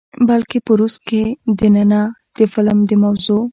بلکې په روس کښې دننه د فلم د موضوع،